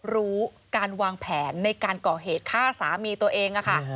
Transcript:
รู้การวางแผนในการก่อเหตุฆ่าสามีตัวเองค่ะ